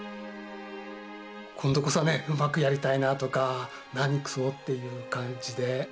今度こそはねうまくやりたいなあとか何くそっていう感じで。